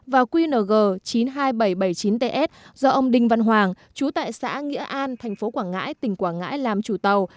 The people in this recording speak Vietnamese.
và qng chín mươi hai nghìn bảy trăm bảy mươi chín ts do ông đinh văn hoàng chú tại xã nghĩa an tp quảng ngãi tỉnh quảng ngãi làm chủ tàu